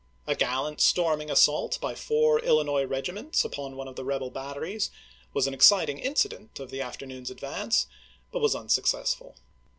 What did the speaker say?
A gallant storming assault by four Illinois regiments upon one of the rebel batteries was an exciting incident of the after noon'e advance, but was unsuccessful.